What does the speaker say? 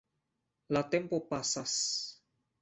La tempo pasas.